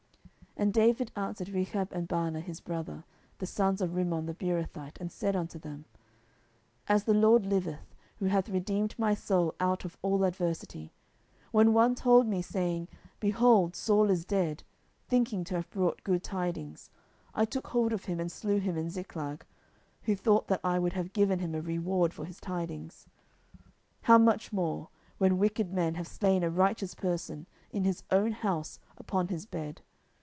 10:004:009 And David answered Rechab and Baanah his brother, the sons of Rimmon the Beerothite, and said unto them, As the LORD liveth, who hath redeemed my soul out of all adversity, 10:004:010 When one told me, saying, Behold, Saul is dead, thinking to have brought good tidings, I took hold of him, and slew him in Ziklag, who thought that I would have given him a reward for his tidings: 10:004:011 How much more, when wicked men have slain a righteous person in his own house upon his bed?